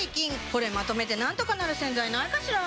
これまとめてなんとかなる洗剤ないかしら？